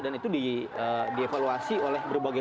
dan itu dievaluasi oleh berbagai